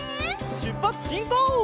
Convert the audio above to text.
しゅっぱつしんこう！